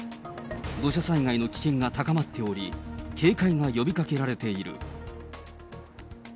土砂災害の危険が高まっており、警戒が呼びかけられている。